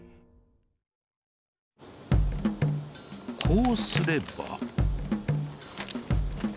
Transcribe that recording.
こうすれば。